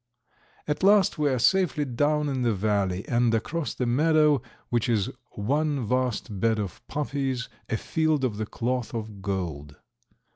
At last we are safely down in the valley and across the meadow, which is one vast bed of poppies, a field of the cloth of gold.